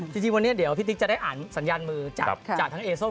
จริงวันนี้เดี๋ยวพี่ติ๊กจะได้อ่านสัญญาณมือจากทั้งเอส้ม